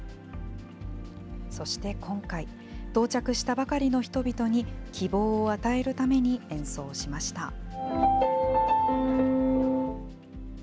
そして今回、到着したばかりの人々に、希望を与えるために演奏しました。